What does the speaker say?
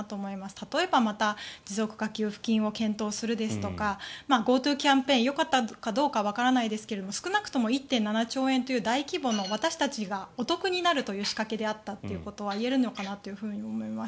例えば、また持続化給付金を検討するですとかＧｏＴｏキャンペーンよかったかどうかわからないですが少なくとも１．７兆円という大規模な私たちがお得になるという仕掛けであったのではということはいえるのかなと思います。